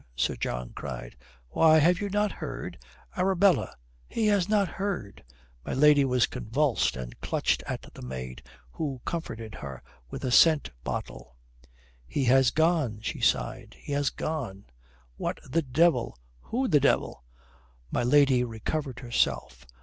Sir John cried. "Why, have you not heard? Arabella, he has not heard!" My lady was convulsed, and clutched at the maid, who comforted her with a scent bottle. "He has gone!" she sighed. "He has gone." "What the devil! Who the devil?" My lady recovered herself.